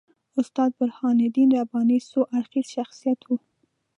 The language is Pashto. استاد برهان الدین رباني څو اړخیز شخصیت وو.